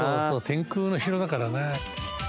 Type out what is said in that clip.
天空の城だからね。